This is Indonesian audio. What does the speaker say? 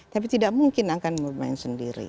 tapi tidak mungkin akan bermain sendiri